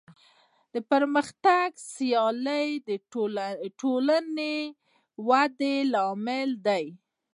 پرمختګ او سیالي د ټولنې د ودې لامل دی.